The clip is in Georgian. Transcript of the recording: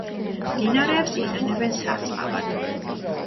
მდინარეებს იყენებენ სარწყავად.